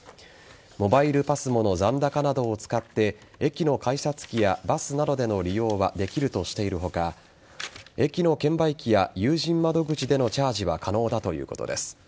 モバイルＰＡＳＭＯの残高などを使って駅の改札機やバスなどでの利用はできるとしている他駅の券売機や有人窓口でのチャージは可能だということです。